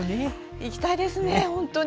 行きたいですね、本当に。